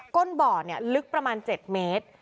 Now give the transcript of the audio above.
้นบ่อลึกประมาณ๗เมตร